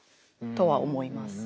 とは思います。